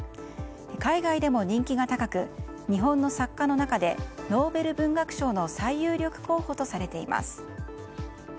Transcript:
海外でも人気が高く日本の作家の中でノーベル文学賞の最有力候補とされています。